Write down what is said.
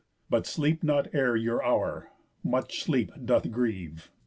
But sleep not ere your hour; _much sleep doth grieve.